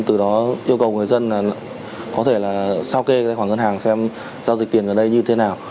từ đó yêu cầu người dân là có thể là sao kê khoản ngân hàng xem giao dịch tiền ở đây như thế nào